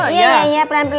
iya iya pelan pelan